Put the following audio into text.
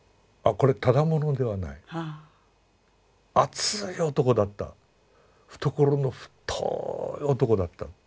これただ者ではない熱い男だった懐の太い男だった。